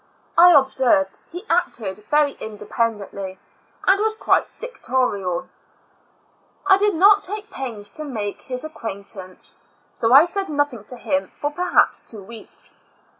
I observed he acted very independently, and was quite dictatorial. IN A L UXATIC A STL U3L g 3 I did not take pains to make his acquain tance, so I said nothing to him for perhaps two weeks.